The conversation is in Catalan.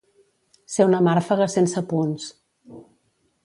Ser una màrfega sense punts.